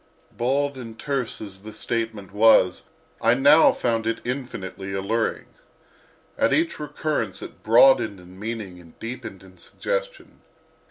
Bald and terse as the statement was, I now found it infinitely alluring. At each recurrence it broadened in meaning and deepened in suggestion.